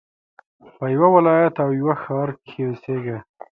په يوه ولايت او يوه ښار کښي اوسېږه!